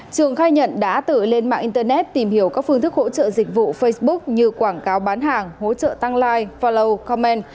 trường khai nhận đã tự lên mạng internet tìm hiểu các phương thức hỗ trợ dịch vụ facebook như quảng cáo bán hàng hỗ trợ tăng like phaolo comment